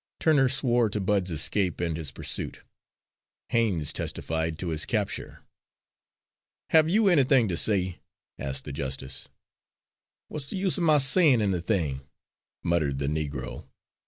Turner swore to Bud's escape and his pursuit. Haines testified to his capture. "Have you anything to say?" asked the justice. "What's de use er my sayin' anything," muttered the Negro.